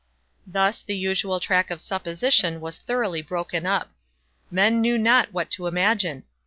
Thus the usual track of supposition was thoroughly broken up. Men knew not what to imagine.